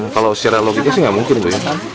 kalau secara logika sih nggak mungkin bu ya